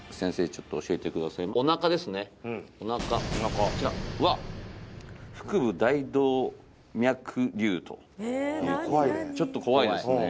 ちょっと教えてくださいおなかですねおなかこちらうわ腹部大動脈瘤ということで怖いねちょっと怖いですね